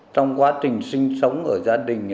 trong quá trình sinh sống ở gia đình